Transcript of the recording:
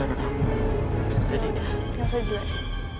gak usah jelas